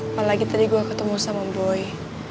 apalagi tadi gue ketemu sama boy